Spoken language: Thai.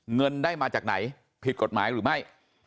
เงินได้มาจากไหนผิดกฎหมายหรือไม่